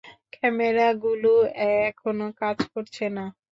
ক্যামেরাগুলো এখনো কাজ করছে না।